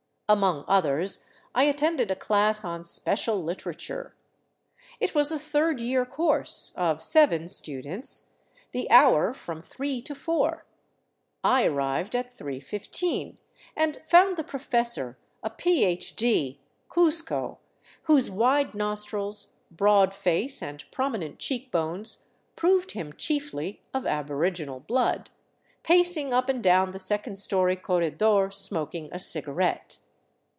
Among others I attended a class on " Special Literature." 446 THE CITY OF THE SUN It was a third year course, of seven students ; the hour, from three to four. I arrived at 3:15 and found the professor, a Ph.D. (Cuzco) whose wide nostrils, broad face, and prominent cheek bones proved him chiefly of aboriginal blood, pacing up and down the second story corre dor smoking a cigarette.